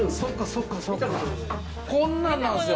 こんなんなんすよ。